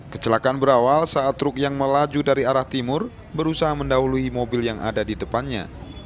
kecelakaan berawal saat truk yang melaju dari arah timur berusaha mendahului mobil yang ada di depannya